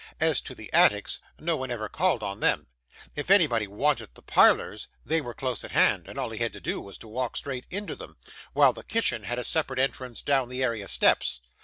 As to the attics, no one ever called on them; if anybody wanted the parlours, they were close at hand, and all he had to do was to walk straight into them; while the kitchen had a separate entrance down the area steps.